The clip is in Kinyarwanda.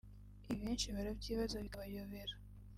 Ibi benshi barabyibaza bikabayobera